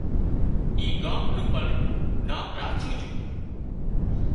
اي ڳام نُون پڻ نام راڇوُن جھون